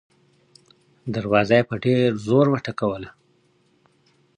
دروازه يې په ډېر زور وټکوله.